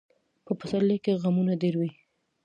په پسرلي کې غمونه ډېر وي.